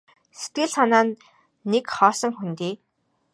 Сэтгэл санаа нь нэг хоосон хөндий.